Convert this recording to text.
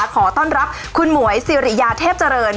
ขอต้อนรับคุณหมวยสิริยาเทพเจริญ